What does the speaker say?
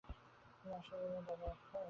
তিনি আসিয়া বলিলেন, বাবা অক্ষয়!